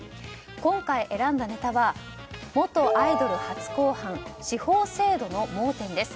今回選んだネタは元アイドル初公判司法制度の盲点です。